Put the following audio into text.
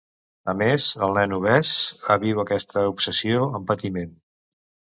A més, el nen obès viu aquesta obsessió amb patiment.